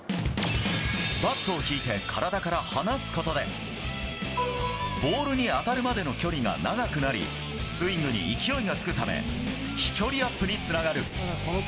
バットを引いて体から離すことで、ボールに当たるまでの距離が長くなり、スイングに勢いがつくため、飛距離アップにつながる。